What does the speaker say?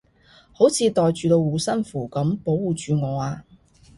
好似袋住道護身符噉保護住我啊